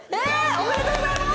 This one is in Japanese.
おめでとうございます！